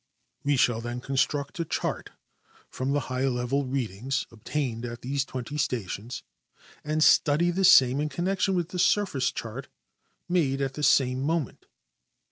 We shall then construct a chart from the high level readings obtained at these twenty stations and study the same in connec tion with the surface chart made at the same moment.